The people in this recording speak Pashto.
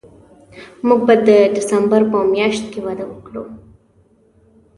موږ به د ډسمبر په میاشت کې واده وکړو